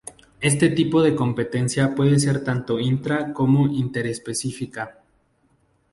Este tipo de competencia puede ser tanto intra como interespecífica.